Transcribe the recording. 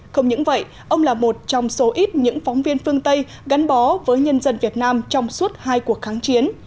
không những vậy ông là một trong số ít những phóng viên phương tây gắn bó với nhân dân việt nam trong suốt hai cuộc kháng chiến